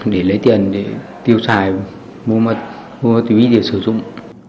để lấy tiền để tiêu xài mua ma túy để sử dụng